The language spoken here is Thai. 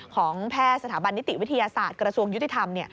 ของแพทย์สถาบันนิติวิทยาศาสตร์กระทรวงยุติธรรม